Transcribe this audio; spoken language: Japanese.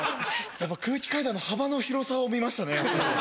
空気階段の幅の広さを見ましたね。